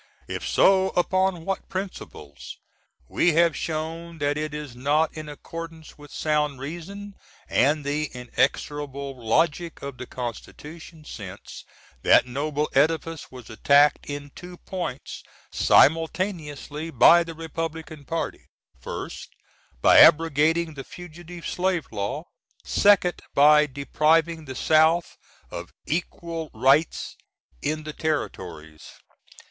If so, upon what principles? We have sh^n. that it is not in accordance with sound reason & the "inexorable logic" of the Constitution, since that noble edifice was attacked in two points simultaneously by the Repub^cn party: 1°. by abrogating the Fugitive Slave Law; 2°. by depriving the South of eq^l rights in the Territories.